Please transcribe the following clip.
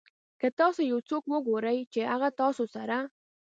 که تاسو یو څوک وګورئ چې هغه ستاسو سره.